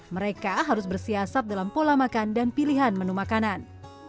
mereka harus bersiasat dalam pola makan dan pilihan menu makanan